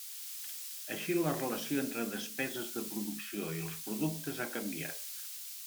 Així la relació entre despeses de producció i els productes ha canviat.